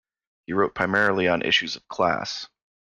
He wrote primarily on issues of class.